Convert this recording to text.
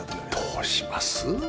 どうします？